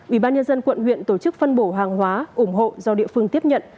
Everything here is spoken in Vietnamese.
ủy ban nhân dân quận huyện tổ chức phân bổ hàng hóa ủng hộ do địa phương tiếp nhận